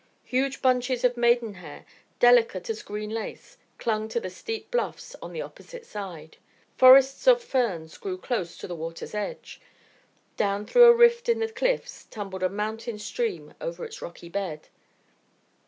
Huge bunches of maidenhair, delicate as green lace, clung to the steep bluffs on the opposite side. Forests of ferns grew close to the water's edge. Down through a rift in the cliffs tumbled a mountain stream over its rocky bed.